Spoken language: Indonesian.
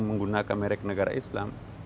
menggunakan merek negara islam